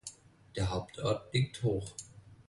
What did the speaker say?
Der Hauptort liegt hoch.